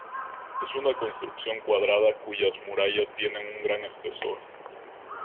Es una construcción cuadrada cuyas murallas tienen un gran espesor.